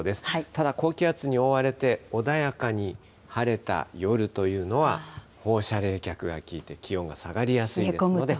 ただ、高気圧に覆われて、穏やかに晴れた夜というのは、放射冷却が効いて気温が下がりやすいですので。